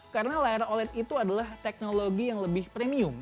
karena layar oled itu adalah teknologi yang lebih premium